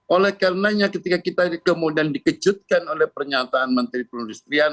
oleh karenanya ketika kita kemudian dikejutkan oleh pernyataan menteri perindustrian